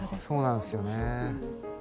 そうなんですよね。